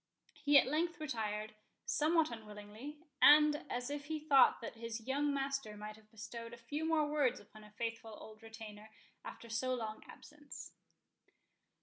He at length retired, somewhat unwillingly, and as if he thought that his young master might have bestowed a few more words upon a faithful old retainer after so long absence.